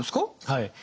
はい。